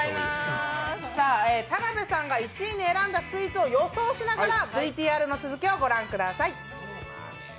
田辺さんが１位に選んだスイーツを予想しながらＶＴＲの続きを御覧ください。